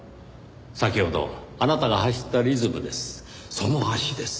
先ほどあなたが走ったリズムです。